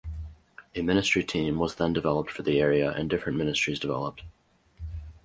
A ministry team was then developed for the area and different ministries developed.